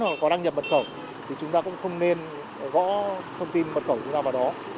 nếu mà có đăng nhập mật khẩu thì chúng ta cũng không nên gõ thông tin mật khẩu chúng ta vào đó